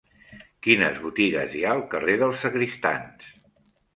Quines botigues hi ha al carrer dels Sagristans?